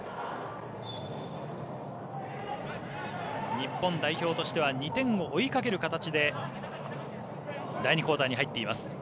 日本代表としては２点を追いかける形で第２クオーターに入っています。